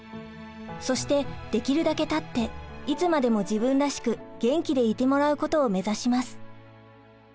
そしてできるだけ立っていつまでも自分らしく元気でいてもらうことを目指します。